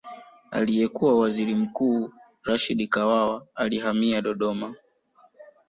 Aliyekuwa Waziri Mkuu Rashid Kawawa alihamia Dodoma